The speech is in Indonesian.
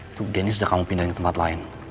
itu dennis udah kamu pindahin ke tempat lain